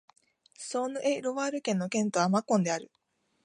ソーヌ＝エ＝ロワール県の県都はマコンである